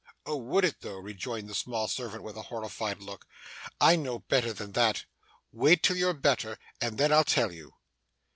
'Oh! would it though!' rejoined the small servant, with a horrified look. 'I know better than that. Wait till you're better and then I'll tell you.